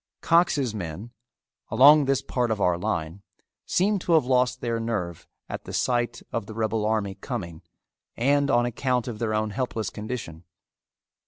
Cox's men, along this part of our line, seem to have lost their nerve at the sight of the rebel army coming and on account of their own helpless condition.